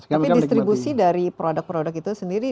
tapi distribusi dari produk produk itu sendiri